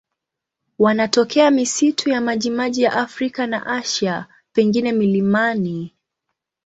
Wanatokea misitu ya majimaji ya Afrika na Asia, pengine milimani.